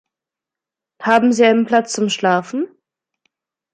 Haben Sie einen Platz zum Schlafen?